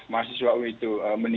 mahasiswa ui itu menimbulkan